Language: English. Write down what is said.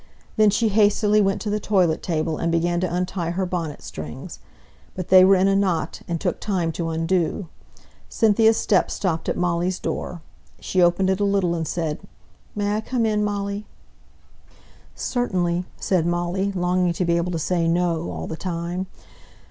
Then she hastily went to the toilet table, and began to untie her bonnet strings; but they were in a knot, and took time to undo. Cynthia's step stopped at Molly's door; she opened it a little and said, "May I come in, Molly?" "Certainly," said Molly, longing to be able to say "No" all the time.